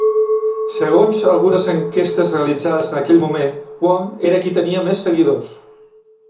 Segons algunes enquestes realitzades en aquell moment, Wong era qui tenia més seguidors.